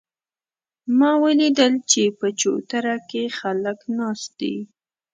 ما ولیدل چې په چوتره کې خلک ناست دي